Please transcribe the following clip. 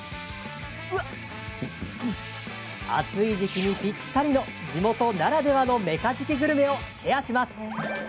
暑い時期にぴったりの地元ならではのメカジキグルメをシェアします。